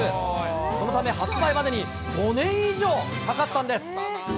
そのため発売までに５年以上かかったんです。